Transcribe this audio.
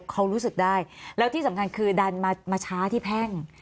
เขารู้สึกได้แล้วที่สำคัญคือดันมาช้าที่แพ่ง